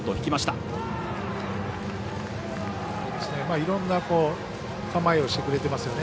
いろんな構えをしてくれてますよね。